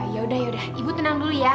yaudah ibu tenang dulu ya